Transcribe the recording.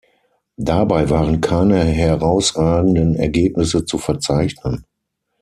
Dabei waren keine herausragenden Ergebnisse zu verzeichnen.